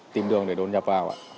tìm đường để đột nhập vào